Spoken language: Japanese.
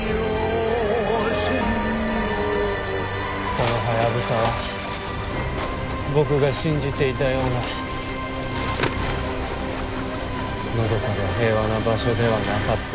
このハヤブサは僕が信じていたようなのどかで平和な場所ではなかった。